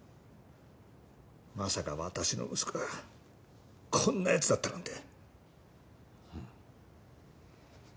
まさか私の息子がこんな奴だったなんて。